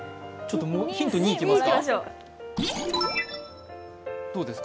ヒント２いきますか。